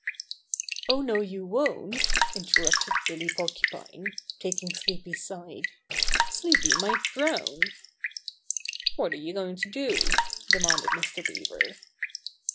"Oh, no, you won't," interrupted Billy Por cupine, taking Sleepy's side. "Sleepy might drown." "What' re you going to do?" demanded Mr. Beaver.